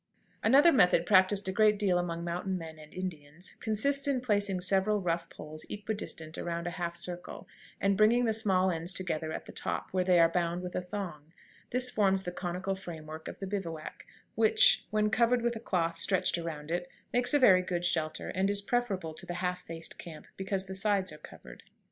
] Another method practiced a great deal among mountain men and Indians consists in placing several rough poles equidistant around in a half circle, and bringing the small ends together at the top, where they are bound with a thong. This forms the conical frame work of the bivouac, which, when covered with a cloth stretched around it, makes a very good shelter, and is preferable to the half faced camp, because the sides are covered. [Illustration: CONICAL BIVOUAC.